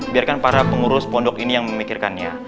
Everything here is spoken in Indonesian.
biarkan para pengurus pondok ini yang memikirkannya